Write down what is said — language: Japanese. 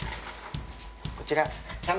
こちら。